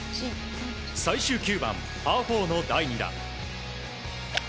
最終９番、パー４の第２打。